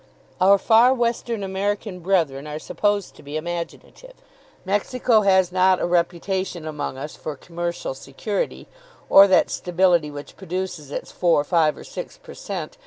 Our far western American brethren are supposed to be imaginative. Mexico has not a reputation among us for commercial security, or that stability which produces its four, five, or six per cent.